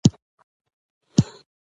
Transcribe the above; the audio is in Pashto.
وېښته مي سپین دي په عمر زوړ یم